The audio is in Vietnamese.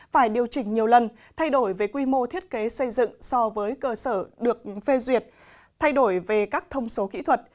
phải điều chỉnh nhiều lần thay đổi về quy mô thiết kế xây dựng so với cơ sở được phê duyệt thay đổi về các thông số kỹ thuật